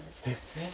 えっ？